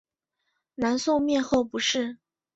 南宋灭后不仕。